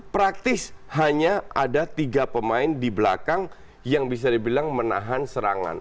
praktis hanya ada tiga pemain di belakang yang bisa dibilang menahan serangan